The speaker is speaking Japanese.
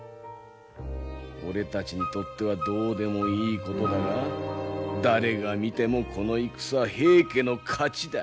俺たちにとってはどうでもいいことだが誰が見てもこの戦平家の勝ちだ。